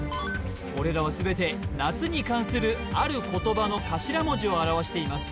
これらは全て夏に関するある言葉の頭文字を表しています